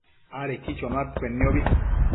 adequi chonuaccuenniobi